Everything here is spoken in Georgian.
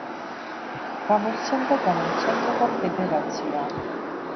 გამოსცემდა გამომცემლობა „ფედერაცია“.